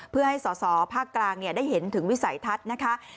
เพื่อให้สอสอภาคกลางได้เห็นถึงวิสัยทัศน์นะคะ